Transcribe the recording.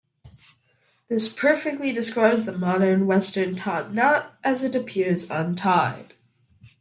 This perfectly describes the modern western top knot as it appears untied.